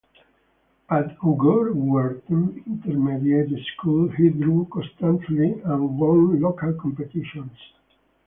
At Gowerton Intermediate School he drew constantly and won local competitions.